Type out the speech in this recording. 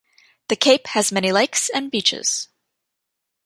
The cape has many lakes and beaches.